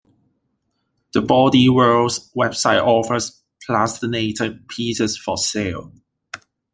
The Body Worlds website offers plastinated pieces for sale.